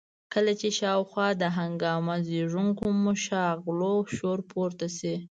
کله چې شاوخوا د هنګامه زېږوونکو مشاغلو شور پورته شي.